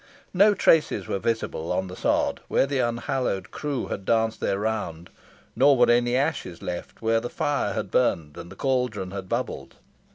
No traces were visible on the sod where the unhallowed crew had danced their round; nor were any ashes left where the fire had burnt and the caldron had bubbled.